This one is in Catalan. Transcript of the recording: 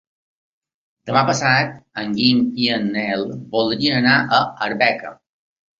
Demà passat en Guim i en Nel voldrien anar a Arbeca.